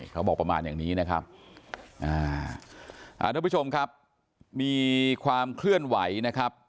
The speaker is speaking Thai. เขาบอกประมาณอย่างนี้นะครับอ่าทุกผู้ชมครับมีความเคลื่อนไหวนะครับ